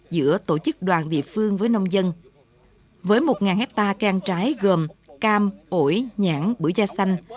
giữa tổ chức đoàn địa phương với nông dân với một hectare can trái gồm cam ổi nhãn bữa da xanh